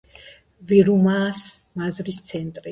ვირუმაას მაზრის ცენტრი.